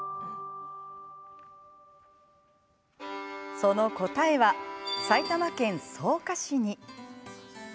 その答えは、埼玉県草加市に。